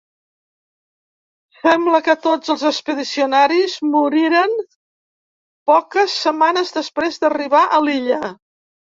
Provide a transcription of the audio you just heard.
Sembla que tots els expedicionaris moriren poques setmanes després d'arribar a l'illa.